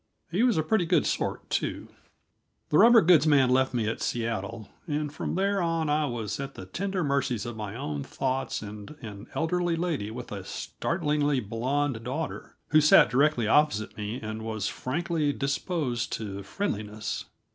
He was a pretty good sort, too. The rubber goods man left me at Seattle, and from there on I was at the tender mercies of my own thoughts and an elderly lady with a startlingly blond daughter, who sat directly opposite me and was frankly disposed to friendliness.